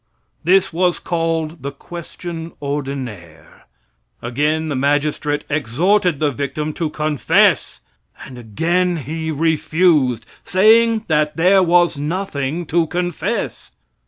This was called the question ordinaire. Again the magistrate exhorted the victim to confess, and again he refused, saying that there was nothing to confess.